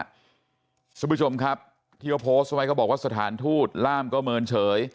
สวัสดีคุณผู้ชมครับที่ก็โพสต์ไว้ก็บอกว่าสถานทูตล่ามก็เมินเฉย